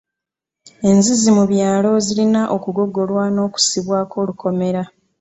Enzizi mu byalo zirina okugogolwa n'okussibwako olukomera.